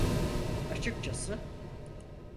Açıkçası…